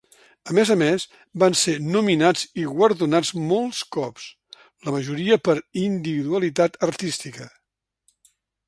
A més a més, van ser nominats i guardonats molts cops, la majoria per individualitat artística.